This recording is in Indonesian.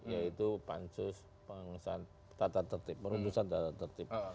yaitu pancus tata tertib merundusan tata tertib